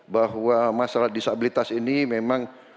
bahwa masalah disabilitas ini memang